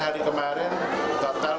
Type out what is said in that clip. hari kemarin total